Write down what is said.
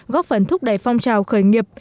góp phần thúc đẩy phong trào khởi nghiệp